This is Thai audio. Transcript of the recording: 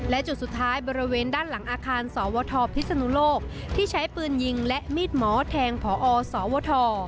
และจุดสุดท้ายบริเวณด้านหลังอาคารสวทพิศนุโลกที่ใช้ปืนยิงและมีดหมอแทงพอสวท